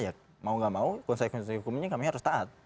ya mau nggak mau konsekuensi hukumnya kami harus taat